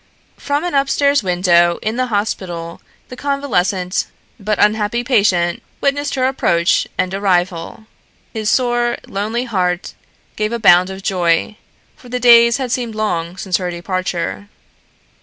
From an upstairs window in the hospital the convalescent but unhappy patient witnessed her approach and arrival. His sore, lonely heart gave a bound of joy, for the days had seemed long since her departure.